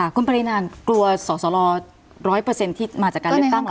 คุณปรินาลกลัวสรรร้อยเปอร์เซ็นต์ที่มาจากการเลือกตั้งหรือคะ